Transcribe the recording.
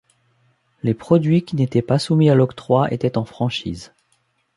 Les produits qui n'étaient pas soumis à l'octroi étaient en franchise.